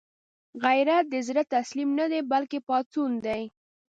غیرت د زړه تسلیم نه دی، بلکې پاڅون دی